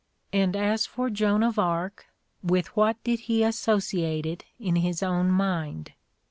And as for "Joan of Arc," with what did he associate it in his own mind?